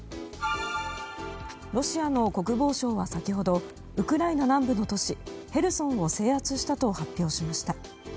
ロシアの国防省は先ほどウクライナ南部の都市ヘルソンを制圧したと発表しました。